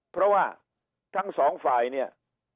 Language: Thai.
เพราะว่าทั้งสองฝ่ายเนี่ย